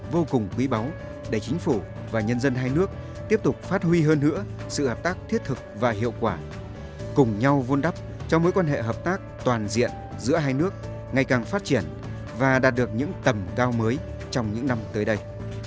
vô cùng quý báu để chính phủ và nhân dân hai nước tiếp tục phát huy hơn nữa sự hợp tác thiết thực và hiệu quả cùng nhau vun đắp cho mối quan hệ hợp tác toàn diện giữa hai nước ngày càng phát triển và đạt được những tầm cao mới trong những năm tới đây